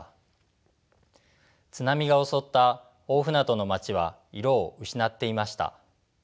津波が襲った大船渡の街は色を失っていました。